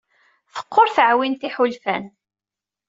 Teqqur teɛwint n yiḥulfan.